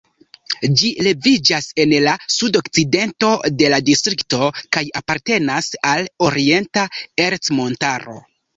Ĝi leviĝas en la sudokcidento de la distrikto kaj apartenas al Orienta Ercmontaro.